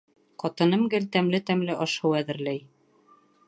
Ҡатыным гел тәмле-тәмле аш-һыу әҙерләй.